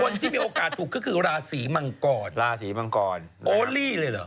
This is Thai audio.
คนที่มีโอกาสถูกก็คือราศีมังกรราศีมังกรโอลี่เลยเหรอ